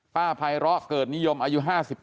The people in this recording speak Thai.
ป้าภัยร้อเกิดนิยมอายุ๕๘